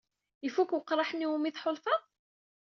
Ifuk weqraḥ-nni umi tḥulfaḍ?